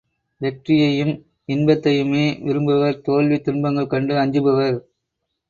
வெற்றியையும் இன்பத்தையுமே விரும்புவர் தோல்வி, துன்பங்கள் கண்டு அஞ்சுவர்.